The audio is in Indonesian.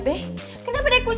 tapi dia udah kena pilih